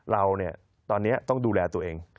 เราตอนนี้ต้องดูแลตัวเอง